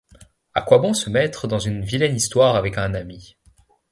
À quoi bon se mettre dans une vilaine histoire avec un ami?